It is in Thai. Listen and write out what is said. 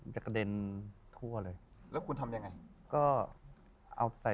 จะกระเด็นทั่วเลย